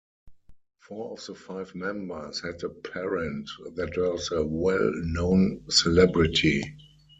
Four of the five members had a parent that was a well known celebrity.